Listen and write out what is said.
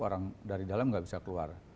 orang dari dalam nggak bisa keluar